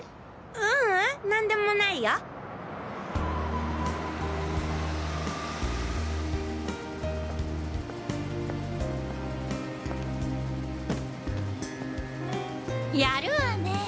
ううんなんでもないよ。やるわね！